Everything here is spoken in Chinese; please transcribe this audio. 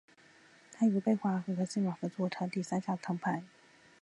他与吴蓓华和何苑欣合作赢得团体三项赛铜牌。